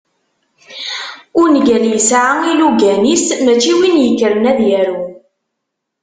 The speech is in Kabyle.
Ungal yesɛa ilugan-is, mačči win yekkren ad yaru.